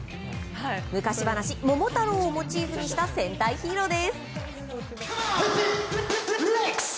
昔話、桃太郎をモチーフにした戦隊ヒーローです。